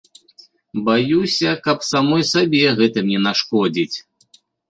Баюся, каб самой сабе гэтым не нашкодзіць.